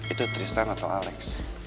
itu tristan atau alex